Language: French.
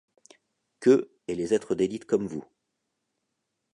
Qu’eux et les êtres d’élite comme vous.